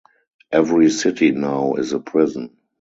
Every city now is a prison.